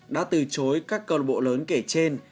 đã từ chối các cơ lợi bộ lớn kể trên